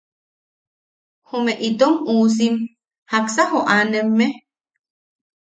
¿Ume itom uusim jaksa joʼanemme?